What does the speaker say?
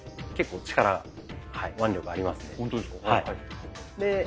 結構力腕力ありますね。